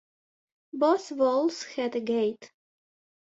Both walls had a gate.